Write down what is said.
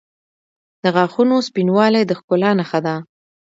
• د غاښونو سپینوالی د ښکلا نښه ده.